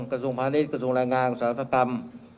กระทรวงพาณิชย์กระทรวงแรงงานอุตสาหกรรม